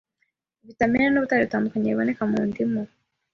Vitamine n’ubutare bitandukanye biboneka mu ndimu,